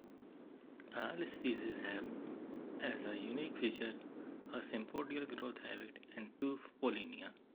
All species have, as a unique feature, a sympodial growth habit and two pollinia.